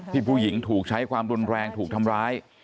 ผู้หญิงถูกใช้ความรุนแรงถูกทำร้าย